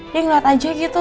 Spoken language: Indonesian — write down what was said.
dia ngeliat aja gitu